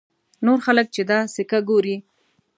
نور خلک چې دا سکه ګوري.